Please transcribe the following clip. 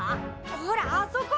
ほらあそこ！